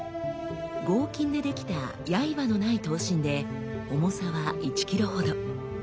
合金でできた刃のない刀身で重さは１キロほど。